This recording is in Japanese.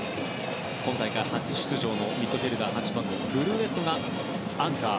今大会初出場のミッドフィールダー、８番グルエソがアンカー。